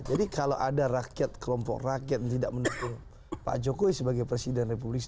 jadi kalau ada rakyat kelompok rakyat yang tidak mendukung pak jokowi sebagai presiden republik